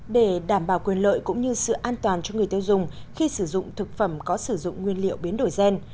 để đảm bảo quyền lợi cũng như sự an toàn cho người tiêu dùng khi sử dụng thực phẩm có sử dụng nguyên liệu biến đổi gen